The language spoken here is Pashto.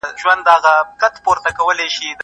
هغه له خپلو تېرو ماتو څخه ډېر څه زده کړل.